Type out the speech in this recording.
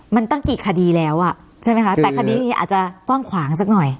มันตั้งกี่คดีแล้วอ่ะใช่ไหมคะแต่คดีนี้อาจจะกว้างขวางสักหน่อย